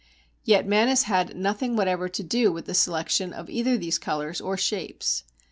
Yet man has had nothing whatever to do with the selection of either these colours or shapes.